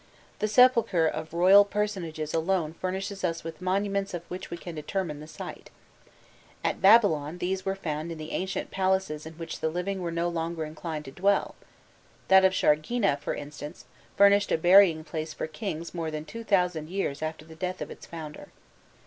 The sepulture of royal personages alone furnishes us with monuments of which we can determine the site. At Babylon these were found in the ancient palaces in which the living were no longer inclined to dwell: that of Shargina, for instance, furnished a burying place for kings more than two thousand years after the death of its founder.